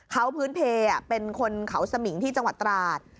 เขาพื้นเพลเป็นคนเขาสมิงที่จังหวัดตราด